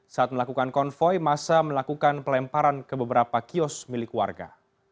saat melakukan konvoy massa melakukan pelemparan ke beberapa kios milik warga